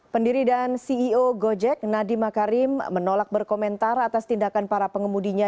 pendiri dan ceo gojek nadiem makarim menolak berkomentar atas tindakan para pengemudinya